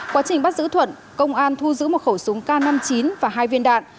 quá trình bắt giữ thuận công an thu giữ một khẩu súng k năm mươi chín và hai viên đạn